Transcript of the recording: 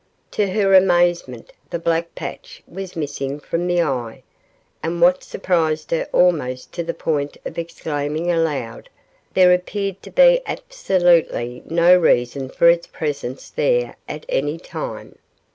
To her amazement the black patch was missing from the eye; and, what surprised her almost to the point of exclaiming aloud, there appeared to be absolutely no reason for its presence there at any time.